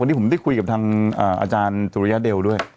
วันนี้ผมได้คุยกับทางอาจารย์สุริยเดลด้วย